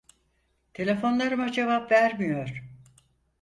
Telefonlarıma cevap vermiyor.